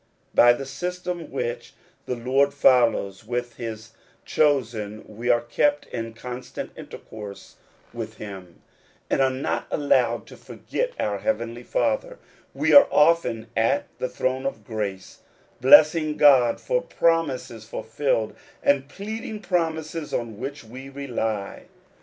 By the system which the Lord follows with his chosen we are kept in constant intercourse with him, and are not allowed to forget our heavenly Father : we are often at the throne of grace, blessing God for promises fulfilled, and pleading promises on which we rely.